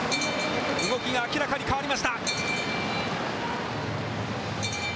動きが明らかに変わりました。